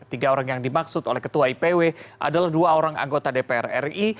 tiga orang yang dimaksud oleh ketua ipw adalah dua orang anggota dpr ri